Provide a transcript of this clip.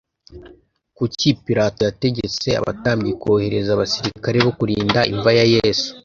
kuki pilato yategetse abatambyi kohereza abasirikare bo kurinda imva ya yesu?